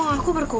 jangan lupa bu